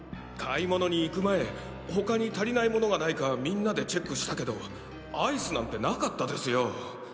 買い物に行く前他に足りない物がないかみんなでチェックしたけどアイスなんてなかったですよ。